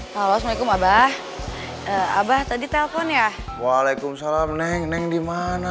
halo halo assalamualaikum abah abah tadi telepon ya waalaikumsalam neng neng dimana